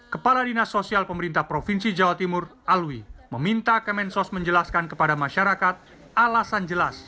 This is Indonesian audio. kepala dinas sosial pemerintah provinsi jawa timur alwi meminta kemensos menjelaskan kepada masyarakat alasan jelas